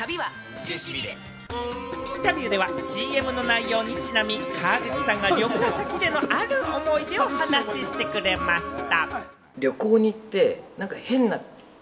インタビューではＣＭの内容にちなみ、川口さんが旅行先でのある思い出をお話してくれました。